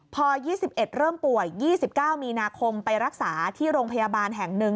พอ๒๑เริ่มป่วย๒๙มีนาคมไปรักษาที่โรงพยาบาลแห่งหนึ่ง